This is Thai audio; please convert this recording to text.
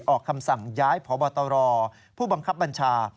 ออกคำสั่งย้ายพบตรผู้บังคับบัญชา